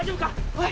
おい！